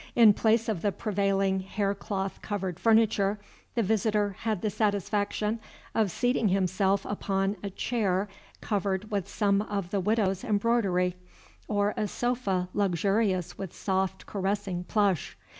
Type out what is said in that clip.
In place of the prevailing hair cloth covered furniture, the visitor had the satisfaction of seating himself upon a chair covered with some of the Widow's embroidery, or a sofa luxurious with soft caressing plush.